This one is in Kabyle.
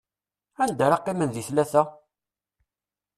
Anda ara qqimen di tlata?